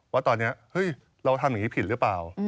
ว่าตอนนี้เราทำอย่างนี้ผิดหรือเปล่า